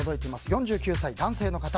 ４９歳、男性の方。